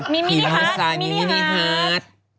มินิฮาร์ดมินิฮาร์ด